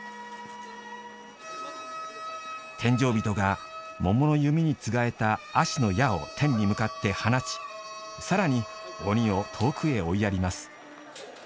殿上人が桃の弓につがえた葦の矢を天に向かって放ちさらに鬼を遠くへ追いやります。